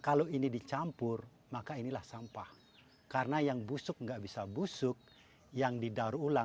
kalau ini dicampur maka inilah sampah karena yang busuk nggak bisa busuk yang didaur ulang